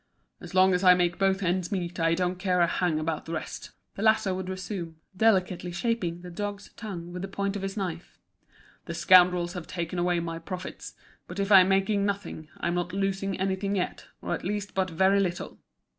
"As long as I make both ends meet I don't care a hang about the rest," the latter would resume, delicately shaping the dog's tongue with the point of his knife. "The scoundrels have taken away my profits; but if I'm making nothing I'm not losing anything yet, or at least but very little.